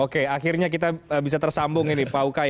oke akhirnya kita bisa tersambung ini pak ukay